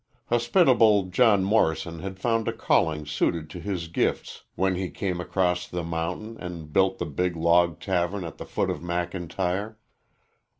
Hospitable John Morrison had found a calling suited to his gifts when he came across the mountain and built the big log tavern at the foot of McIntyre.